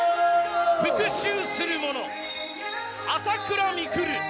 復讐する者、朝倉未来。